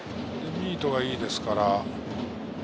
ミートがいいですから。